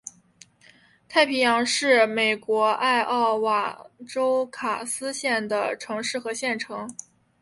大西洋是美国艾奥瓦州卡斯县的城市和县城。